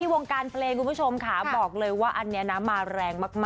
วงการเพลงคุณผู้ชมค่ะบอกเลยว่าอันนี้นะมาแรงมาก